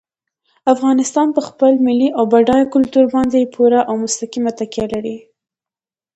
افغانستان په خپل ملي او بډایه کلتور باندې پوره او مستقیمه تکیه لري.